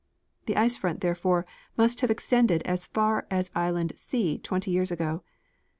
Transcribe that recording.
The ice front, therefore, must have extended as far as island C 20 years ago.